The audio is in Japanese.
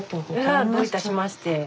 どういたしまして。